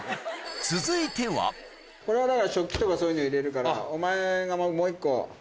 これはだから食器とかそういうの入れるからお前がもう１個。